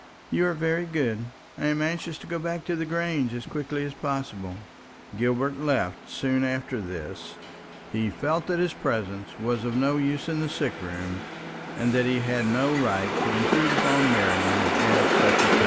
"You are very good. I am anxious to go back to the Grange as quickly as possible." Gilbert left soon after this. He felt that his presence was of no use in the sick room, and that he had no right to intrude upon Marian at such a time.